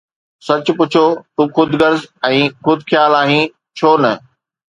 سچ پڇو، تون خود غرض ۽ خود خيال آهين، ڇو نه؟